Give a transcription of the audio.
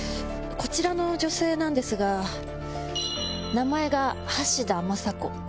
こちらの女性なんですが名前が橋田政子。